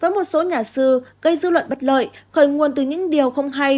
với một số nhà sư gây dư luận bất lợi khởi nguồn từ những điều không hay